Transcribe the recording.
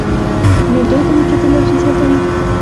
بېنډۍ د وجود انرژي زیاتوي